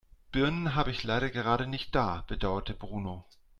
"Birnen habe ich leider gerade nicht da", bedauerte Bruno.